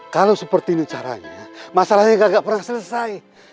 kalau seperti ini caranya masalahnya nggak pernah selesai